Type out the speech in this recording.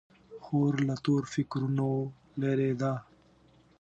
خور له تور فکرونو لیرې ده.